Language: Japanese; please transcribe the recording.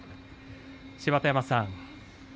芝田山さん